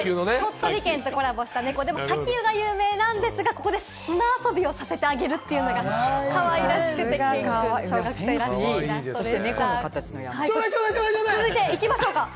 鳥取県とコラボしたネコ、砂丘が有名なんですが、ここで砂遊びをさせてあげるというのがかわいらしくて、小学生らしいイラストです。